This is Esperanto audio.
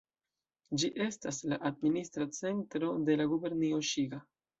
Ĝi estas la administra centro de la gubernio Ŝiga.